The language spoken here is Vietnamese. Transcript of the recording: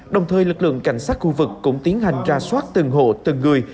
đồng thời lực lượng cảnh sát khu vực cũng tiến hành ra soát từng hộ từng người